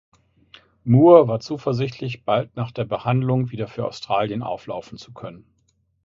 Moore war zuversichtlich, bald nach der Behandlung wieder für Australien auflaufen zu können.